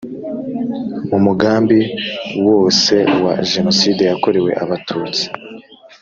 mu mugambi wose wa jenoside, yakorewe abatutsi